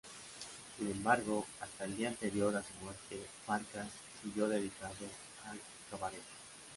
Sin embargo, hasta el día anterior a su muerte, Farkas siguió dedicado al cabaret.